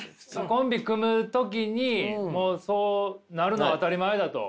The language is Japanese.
コンビ組む時にもうそうなるのは当たり前だと。